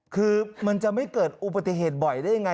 คือมันจะไม่เกิดอุบัติเหตุบ่อยได้ยังไง